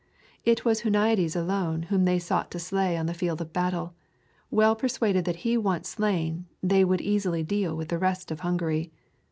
It was Huniades alone whom they sought to slay on the field of battle, well persuaded that he once slain they would easily deal with the rest of Hungary.